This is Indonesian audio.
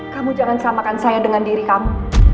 kamu jangan samakan saya dengan diri kamu